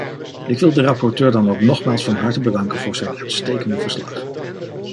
Ik wil de rapporteur dan ook nogmaals van harte bedanken voor zijn uitstekende verslag.